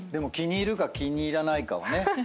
気に入るか気に入らないかはね。